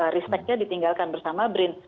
risteknya ditinggalkan bersama brin